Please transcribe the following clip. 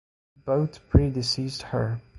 Both predeceased her.